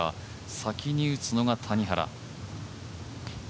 先に打つのが谷原。